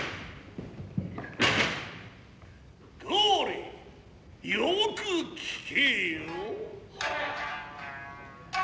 どれよく聞けよ。